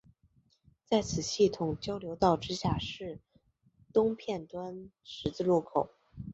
在此系统交流道之下是东片端十字路口。